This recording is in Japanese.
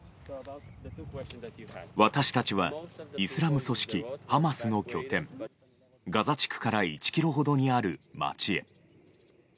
私たちはイスラム組織ハマスの拠点ガザ地区から１ｋｍほどにある街へ。